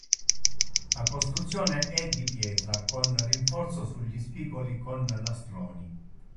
La costruzione è di pietra con rinforzo sugli spigoli con lastroni.